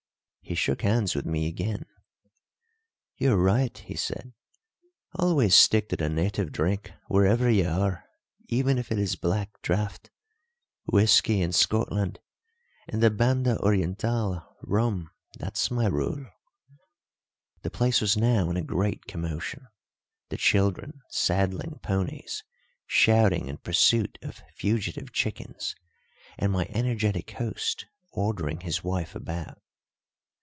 He shook hands with me again. "You are right," he said. "Always stick to the native drink, wherever you are, even if it is black draught. Whisky in Scotland, in the Banda Orientál rum that's my rule." The place was now in a great commotion, the children saddling ponies, shouting in pursuit of fugitive chickens, and my energetic host ordering his wife about.